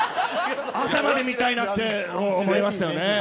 朝まで見たいなと思いましたよね。